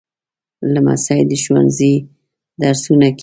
لمسی د ښوونځي درسونه کوي.